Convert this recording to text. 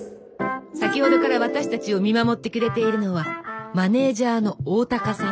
先ほどから私たちを見守ってくれているのはマネージャーの大高さん。